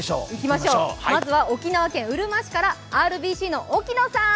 まずは沖縄県うるま市からＲＢＣの沖野さん！